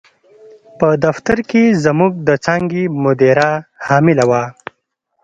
په دفتر کې زموږ د څانګې مدیره حامله وه.